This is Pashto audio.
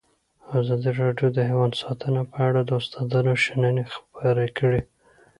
ازادي راډیو د حیوان ساتنه په اړه د استادانو شننې خپرې کړي.